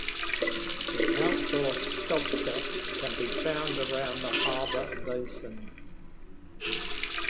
The outdoor sculpture can be found around the harbour basin.